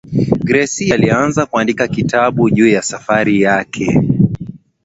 gracie alianza kuandika kitabu juu ya safari yake